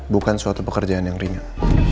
bukan suatu pekerjaan yang ringan